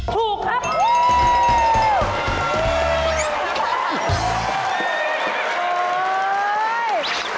ถูกครับ